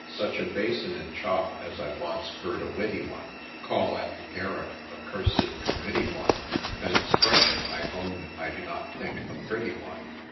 (Such a basin and chop as I once heard a witty one Call, at the Garrick, ' a c — d Committee one/ An expression, I own, I do not think a pretty one.)